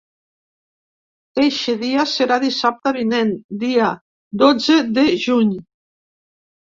Eixe dia serà dissabte vinent, dia dotze de juny.